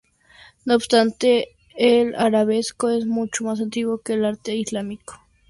No obstante, el arabesco es mucho más antiguo que el arte islámico.